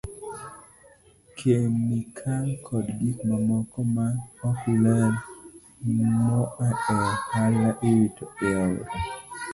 Kemikal koda gik mamoko ma ok ler moa e ohala, iwito e aore.